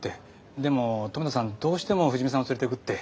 でも留田さんどうしても藤見さんを連れてくって。